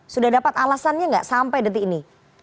sudah dapat alasannya nggak sampai detik ini